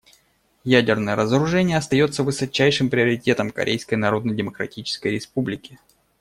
Ядерное разоружение остается высочайшим приоритетом Корейской Народно-Демо-кратической Республики.